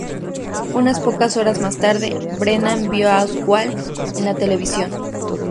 Unas pocas horas más tarde, Brennan vio a Oswald en la televisión.